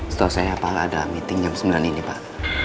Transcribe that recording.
setahu saya apakah ada meeting jam sembilan ini pak